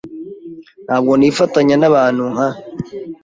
Ntabwo nifatanya nabantu nka